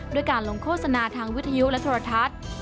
ด้วยการลงโฆษณาทางวิทยุและโทรทัศน์